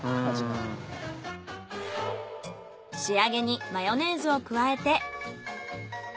仕上げにマヨネーズを加えて。